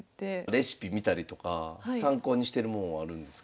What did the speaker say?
レシピ見たりとか参考にしてるもんはあるんですか？